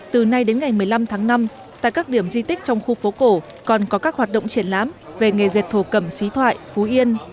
từ nay đến ngày một mươi năm tháng năm tại các điểm di tích trong khu phố cổ còn có các hoạt động triển lãm về nghề dệt thổ cẩm xí thoại phú yên